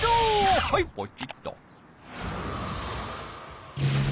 はいポチッと。